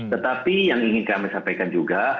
tetapi yang ingin kami sampaikan juga